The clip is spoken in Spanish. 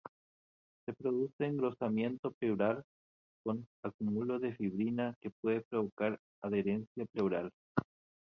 Se produce engrosamiento pleural con acúmulo de fibrina que puede provocar adherencia pleural.